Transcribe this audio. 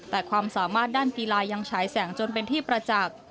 แต่ความสามารถด้านกีฬายังฉายแสงจนเป็นที่ประจักษ์